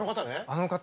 あの方。